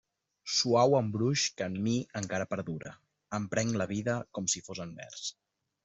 Suau embruix que en mi encara perdura, em prenc la vida com si fos en vers.